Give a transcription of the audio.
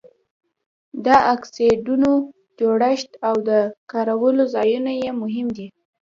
د اکسایډونو جوړښت او د کارولو ځایونه یې مهم دي.